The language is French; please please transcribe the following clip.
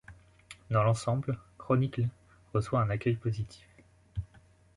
Dans l'ensemble, Chronicle reçoit un accueil positif.